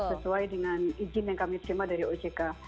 sesuai dengan izin yang kami terima dari ojk